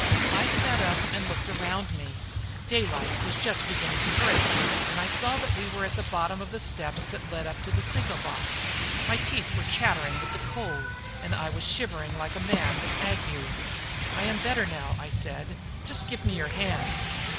I sat up and looked around me. Daylight was just beginning to break, and I saw that we were at the bottom of the steps that led up to the signal box. My teeth were chattering with the cold and I was shivering like a man with ague. "I am better now," I said; "just give me your hand."